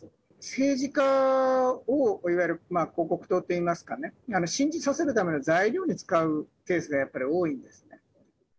政治家を、いわゆる広告塔といいますか、信じさせるための材料に使うケースが、やっぱり多いんですね。